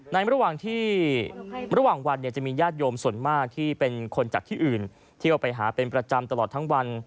ในระหว่างวันจะมีญาติโยมส่วนมากที่เป็นคนจากที่อื่นที่เอาไปหาเป็นประจำตลอดทั้งวัน